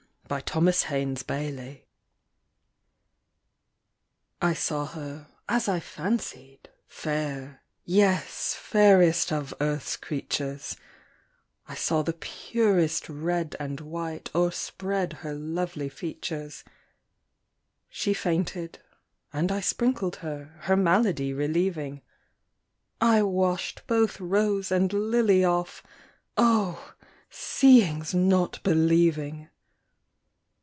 _ I saw her, as I fancied, fair, Yes, fairest of earth's creatures; I saw the purest red and white O'erspread her lovely features; She fainted, and I sprinkled her, Her malady relieving: I washed both rose and lily off! Oh! seeing's not believing!